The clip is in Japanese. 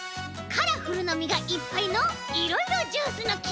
カラフルなみがいっぱいのいろいろジュースのき！